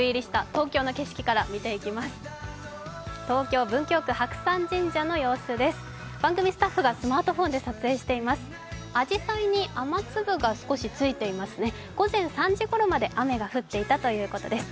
東京・文京区、白山神社の様子です。